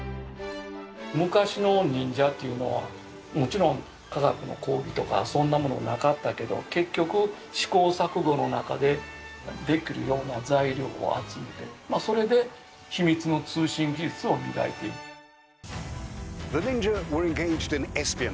昔の忍者っていうのはもちろん科学の講義とかそんなものなかったけど結局試行錯誤の中でできるような材料を集めてまあそれで秘密の通信技術を磨いていた。